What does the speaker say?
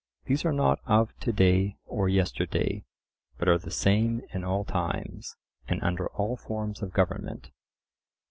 These are not "of to day or yesterday," but are the same in all times, and under all forms of government.